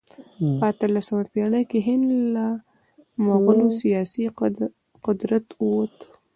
په اتلسمه پېړۍ کې د هند له مغولو سیاسي قدرت ووت.